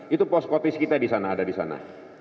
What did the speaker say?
itu poskotis kita di sana ada di sana